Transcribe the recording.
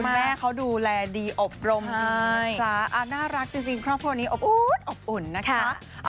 แม่เขาดูแลดีอบรมจริงจริงครอบครัวนี้อบอุ่นนะครับ